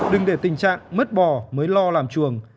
đừng để tình trạng mất bò mới lo làm chuồng